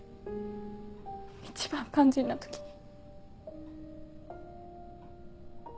一番肝心な時に。